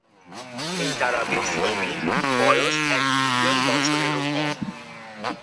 এই তারা বেশ নবীন, বয়স এক বিলিয়ন বছরেরও কম।